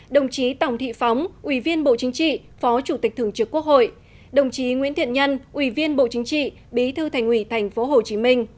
đồng chí tòng thị phóng ủy viên bộ chính trị phó chủ tịch thường trực quốc hội đồng chí nguyễn thiện nhân ủy viên bộ chính trị bí thư thành ủy tp hcm